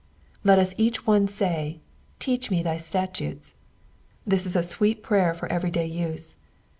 Let us each one say, ^^ Teach me thy statutes,'''* This is a sweet prayer for everyday use.